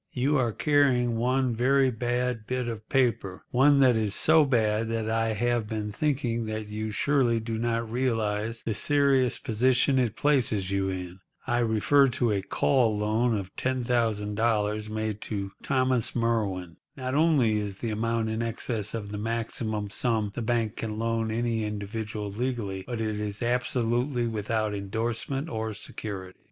You are carrying one very bad bit of paper—one that is so bad that I have been thinking that you surely do not realise the serious position it places you in. I refer to a call loan of $10,000 made to Thomas Merwin. Not only is the amount in excess of the maximum sum the bank can loan any individual legally, but it is absolutely without endorsement or security.